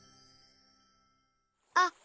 あっ！